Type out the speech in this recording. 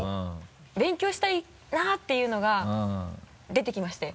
勉強したいなっていうのが出てきまして。